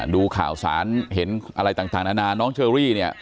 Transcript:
ดูข่าวสารเห็นอะไรต่างนานาน้องเชอรี่เนี่ย